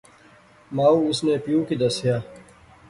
مائو اس نے پیو کی دسیا